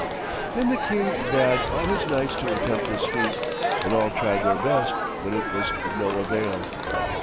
Then the king bade all his knights to attempt this feat, and all tried their best, but it was of no avail.